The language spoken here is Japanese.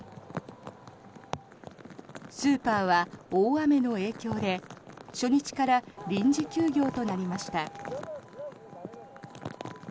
スーパーは大雨の影響で初日から臨時休業となりました。